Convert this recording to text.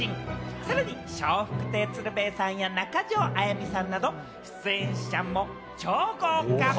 さらに笑福亭鶴瓶さんや中条あやみさんなど、出演者も超豪華！